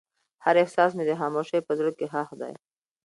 هر احساس مې د خاموشۍ په زړه کې ښخ دی.